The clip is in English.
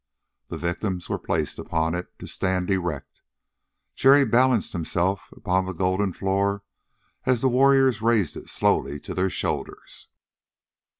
The victims were placed upon it to stand erect. Jerry balanced himself upon the golden floor as the warriors raised it slowly to their shoulders.